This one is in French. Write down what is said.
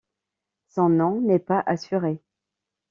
Son nom n'est pas assuré.